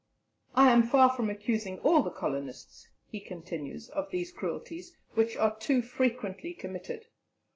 "I am far from accusing all the colonists," he continues, "of these cruelties, which are too frequently committed.